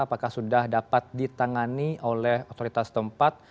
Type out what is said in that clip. apakah sudah dapat ditangani oleh otoritas tempat